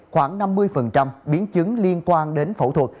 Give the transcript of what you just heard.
khoảng năm mươi biến chứng liên quan đến phẫu thuật